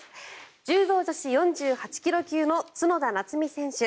柔道女子４８ｋｇ級の角田夏実選手